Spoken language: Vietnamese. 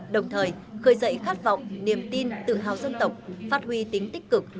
đồng thời khởi dậy khát vọng niềm tin tự hào dân tộc phát huy tính tích cực